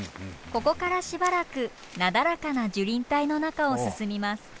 ここからしばらくなだらかな樹林帯の中を進みます。